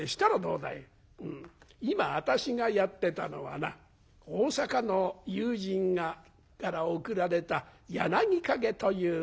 「今私がやってたのはな大阪の友人から送られた『柳陰』というお酒だ。